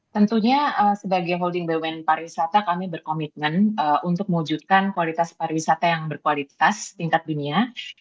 tentunya sebagai holding bumn pariwisata kami berkomitmen untuk mewujudkan kualitas pariwisata yang berkualitas tingkat dunia